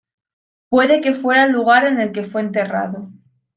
Puede que fuera el lugar en el que fue enterrado.